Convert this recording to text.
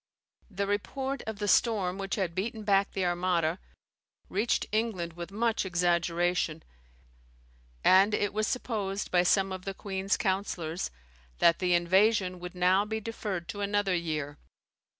The report of the storm which had beaten back the Armada reached England with much exaggeration, and it was supposed by some of the queen's counsellors that the invasion would now be deferred to another year.